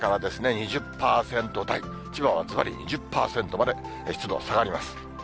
２０％台、千葉はずばり２０％まで湿度下がります。